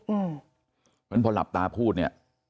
เพราะฉะนั้นพอหลับตาพูดเนี่ย